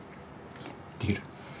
できる？